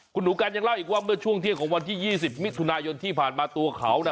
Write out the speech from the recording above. คุณหนูกันยังเล่าอีกว่าเมื่อช่วงเที่ยงของวันที่๒๐มิถุนายนที่ผ่านมาตัวเขาน่ะ